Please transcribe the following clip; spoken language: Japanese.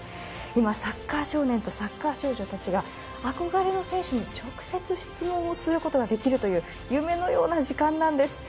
今、サッカー少年とサッカー少女たちが憧れの選手に直接、質問をすることができるという夢のような時間なんです。